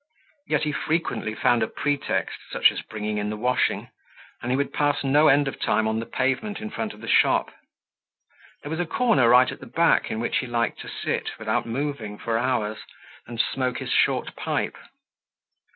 Yet he frequently found a pretext, such as bringing the washing; and he would pass no end of time on the pavement in front of the shop. There was a corner right at the back in which he liked to sit, without moving for hours, and smoke his short pipe.